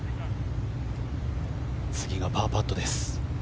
次がパーパットです。